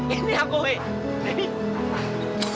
ini aku dewi